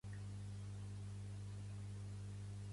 La causa de la independència no ha mort i seguirà existint